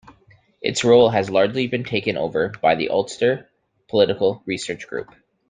Its role has largely been taken over by the Ulster Political Research Group.